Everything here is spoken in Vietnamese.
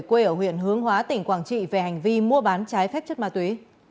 quê ở huyện hướng hóa tỉnh quảng trị về hành vi mua bán trái phép chất ma túy